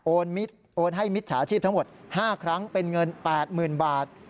โอนให้มิจฉาชีพทั้งหมด๕ครั้งเป็นเงิน๘๐๐๐บาท